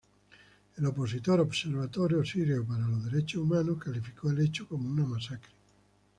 El opositor Observatorio Sirio para los Derechos Humanos calificó el hecho como una masacre.